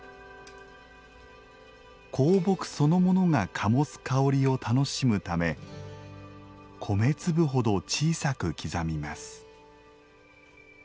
香木そのものが醸す香りを楽しむため米粒ほど小さく刻みます。